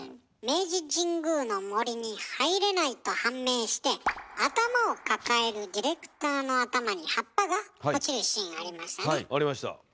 明治神宮の森に入れないと判明して頭を抱えるディレクターの頭に葉っぱが落ちるシーンありましたね。